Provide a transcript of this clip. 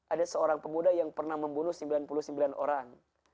ada seorang pemuda yang pernah membunuh sembilan puluh sembilan orang